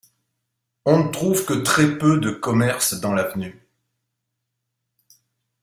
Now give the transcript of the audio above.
On ne trouve que très peu de commerces dans l'avenue.